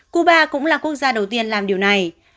cuba cũng là quốc gia đầu tiên làm điều này